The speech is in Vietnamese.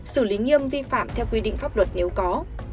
xử lý nghiêm vi phạm theo quy định pháp luật nếu có